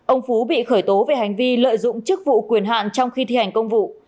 ông phú bị khởi tố về hành vi lợi dụng chức vụ quyền hạn trong khi thi hành công vụ